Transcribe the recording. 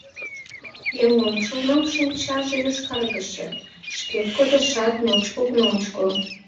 Еҥ ончылно шинчаже йошкаргыше, шкет кодешат — ночко-ночко.